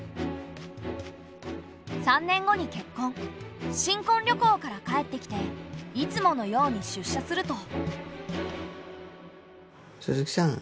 ３年後に結婚新婚旅行から帰ってきていつものように出社すると。